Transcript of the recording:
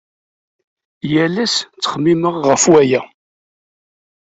Yal ass ttxemmimeɣ ɣef waya.